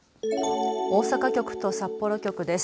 大阪局と札幌局です。